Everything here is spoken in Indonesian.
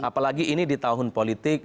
apalagi ini di tahun politik